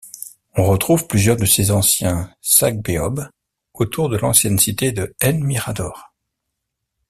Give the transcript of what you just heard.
On retrouve plusieurs de ces anciens sacbeob autour de l’ancienne cité de El Mirador.